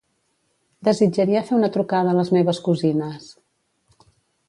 Desitjaria fer una trucada a les meves cosines.